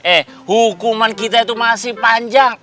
eh hukuman kita itu masih panjang